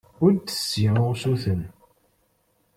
Ur d-tessi usuten.